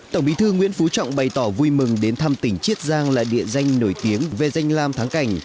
tổng bí thư nguyễn phú trọng bày tỏ vui mừng đến thăm tỉnh chiết giang là địa danh nổi tiếng về danh lam thắng cảnh